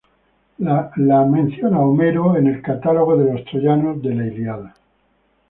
La menciona Homero en el "Catálogo de los troyanos" de la "Ilíada".